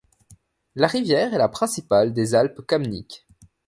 La rivière est la principale des Alpes kamniques.